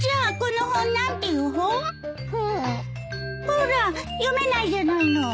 ほら読めないじゃないの。